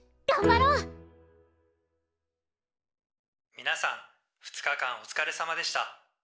「みなさん２日間おつかれさまでした」。